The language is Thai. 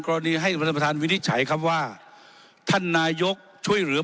รณีให้ท่านประธานวินิจฉัยครับว่าท่านนายกช่วยเหลือ